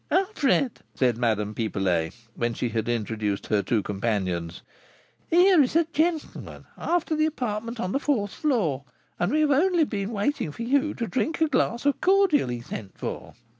"Alfred," said Madame Pipelet, when she had introduced her two companions, "here is a gentleman after the apartment on the fourth floor, and we have only been waiting for you to drink a glass of cordial he sent for."